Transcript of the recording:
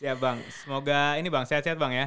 ya bang semoga ini bang sehat sehat bang ya